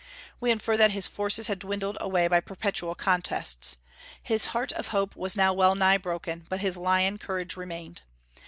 We infer that his forces had dwindled away by perpetual contests. His heart of hope was now well nigh broken, but his lion courage remained.